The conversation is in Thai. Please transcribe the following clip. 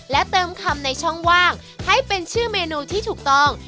และเติมคำในช่องว่างให้เป็นชื่อเมนูที่ถูกต้อง